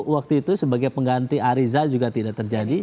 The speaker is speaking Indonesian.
waktu itu sebagai pengganti ariza juga tidak terjadi